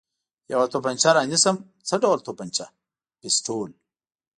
یوه تومانچه را نیسم، څه ډول تومانچه؟ پېسټول.